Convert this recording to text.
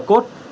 và kê khai